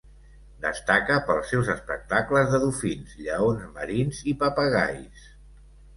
Destaca pels seus espectacles de dofins, lleons marins i papagais.